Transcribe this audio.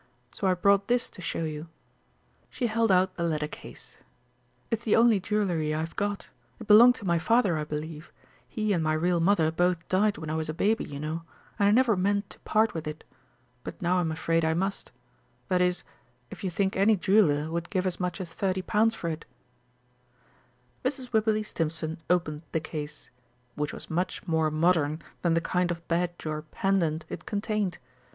"So I brought this to show you." She held out the leather case. "It's the only jewellery I've got. It belonged to my father, I believe; he and my real mother both died when I was a baby, you know and I never meant to part with it. But now I'm afraid I must that is, if you think any jeweller would give as much as thirty pounds for it." Mrs. Wibberley Stimpson opened the case, which was much more modern than the kind of badge or pendant it contained.